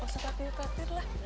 gak usah traktir traktir lah